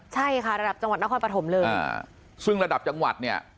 ใช่ค่ะระดับจังหวัดนครปฐมเลยซึ่งระดับจังหวัดเนี่ย